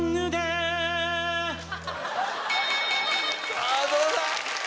さぁどうだ